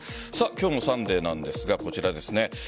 今日のサンデーなんですがこちらです。